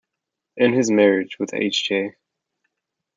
In his marriage with Hj.